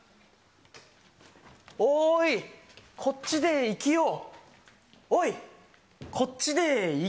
おーい、こっちでいきよう。